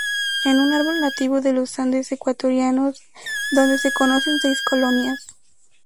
Es un árbol nativo de los Andes ecuatorianos donde se conocen seis colonias.